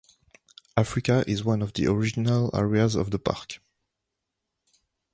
Africa is one of the original areas of the park.